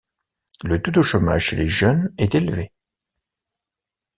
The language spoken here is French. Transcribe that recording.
Le taux de chômage chez les jeunes est élevée.